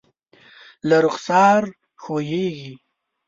له رخسار ښویېږي